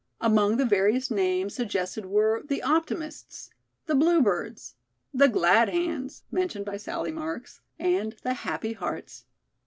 Among the various names suggested were "The Optimists," "The Bluebirds," "The Glad Hands," mentioned by Sallie Marks, and "The Happy Hearts."